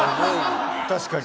確かに。